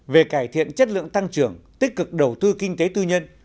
về cải thiện chất lượng tăng trưởng tích cực đầu tư kinh tế tư nhân